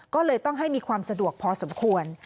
ก็เลยต้องให้มีความสะดวกพอสมควร